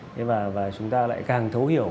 thế và chúng ta lại càng thấu hiểu